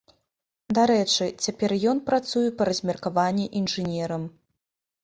Дарэчы, цяпер ён працуе па размеркаванні інжынерам.